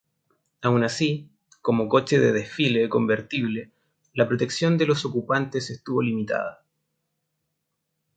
Aun así, como coche de desfile convertible, la protección de los ocupantes estuvo limitada.